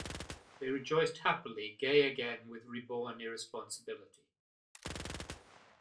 They rejoiced happily, gay again with reborn irresponsibility.